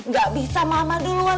gak bisa mama duluan